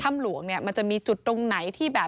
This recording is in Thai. หลวงเนี่ยมันจะมีจุดตรงไหนที่แบบ